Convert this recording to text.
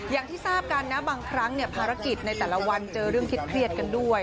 อย่างที่ทราบกันนะบางครั้งภารกิจในแต่ละวันเจอเรื่องเครียดกันด้วย